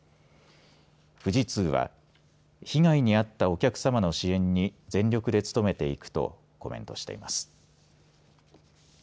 富士通は被害に遭ったお客さまの支援に全力で努めていくとコメントしています。